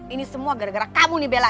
ini semua gara gara kamu nih bela